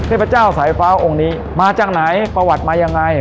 เทพเจ้าสายฟ้าองค์นี้มาจากไหนประวัติมายังไง